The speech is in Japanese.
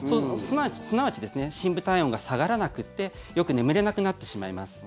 すなわち深部体温が下がらなくてよく眠れなくなってしまいます。